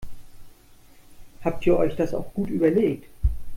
Habt ihr euch das auch gut überlegt?